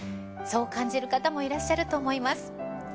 そう感じる方もいらっしゃると思います。